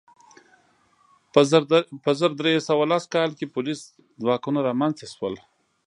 په زر درې سوه لس کال کې پولیس ځواکونه رامنځته شول.